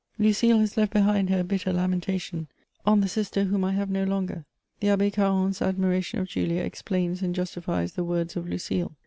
Lucile has left behind her a bitter lamentation :" On the sitter whom I have no longer" The Abb^ Carron's admiration of Julia explains and justifies the words of Lucile.